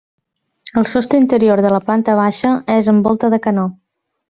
El sostre interior de la planta baixa és amb volta de canó.